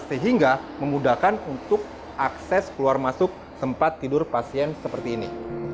sehingga memudahkan untuk akses keluar masuk tempat tidur pasien seperti ini